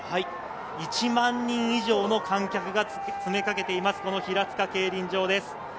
１万人以上の観客が詰めかけています、平塚競輪場です。